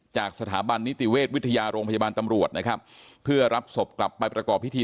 จากสถาบันนิติเวชวิทยาโรงพยาบาลตำรวจนะครับเพื่อรับศพกลับไปประกอบพิธี